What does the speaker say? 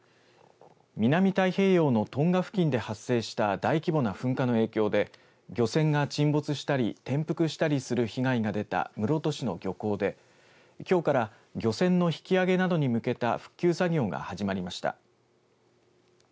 南太平洋のトンガ付近で発生した大規模な噴火の影響で漁船が沈没したり転覆したりする被害が出た室戸市の漁港できょうから漁船の引き上げなどに向けた復旧作業が始まりました。